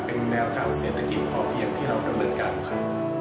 เป็นแนวตามเศรษฐกิจพอเพียงที่เราระเบิดกันค่ะ